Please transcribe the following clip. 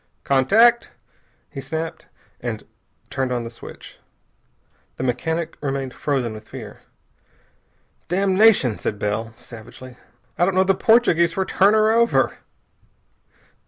"Contact!" he snapped, and turned on the switch. The mechanic remained frozen with fear. "Damnation!" said Bell savagely. "I don't know the Portuguese for 'Turn her over'!"